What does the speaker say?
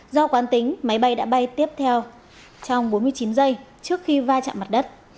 do quan tính máy bay đã bay tiếp theo trong bốn mươi chín giây trước khi vai trạm mặt đất